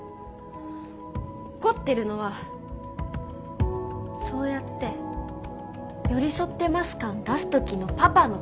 怒ってるのはそうやって「寄り添ってます感」出す時のパパの顔。